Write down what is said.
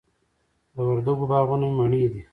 د وردګو باغونه مڼې دي